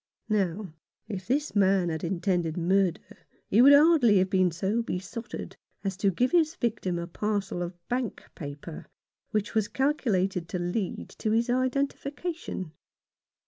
Now, if this man had intended murder he would hardly have been so besotted as to give his victim a parcel of bank paper, which was calculated to lead to his identification.